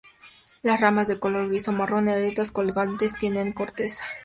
Las ramas de color gris o marrón, erectas y colgantes tienen corteza.